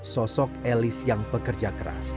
sosok elis yang pekerja keras